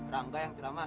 rangga yang cerama